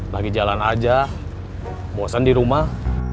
lagi jalan aja bosan di rumah